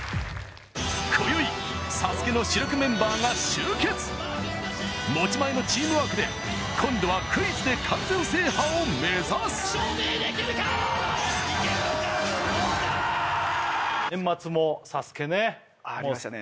今宵ＳＡＳＵＫＥの主力メンバーが集結持ち前のチームワークで今度はクイズで完全制覇を目指す年末も「ＳＡＳＵＫＥ」ねありましたね